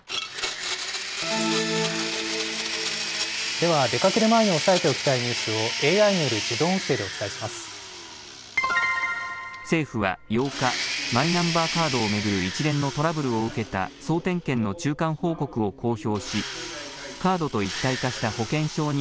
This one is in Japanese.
では、出かける前に押さえておきたいニュースをＡＩによる自動音声でお政府は８日、マイナンバーカードを巡る一連のトラブルを受けた総点検の中間報告を公表し、カードと一体化した保険証に、